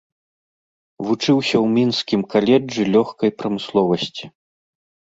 Вучыўся ў мінскім каледжы лёгкай прамысловасці.